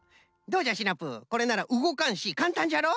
どうじゃシナプーこれならうごかんしかんたんじゃろ？